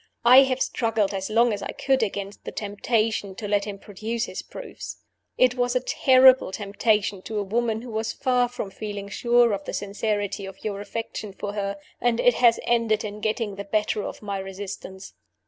I have struggled as long as I could against the temptation to let him produce his proofs. It was a terrible temptation to a woman who was far from feeling sure of the sincerity of your affection for her; and it has ended in getting the better of my resistance.